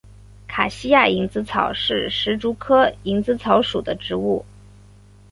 卡西亚蝇子草是石竹科蝇子草属的植物。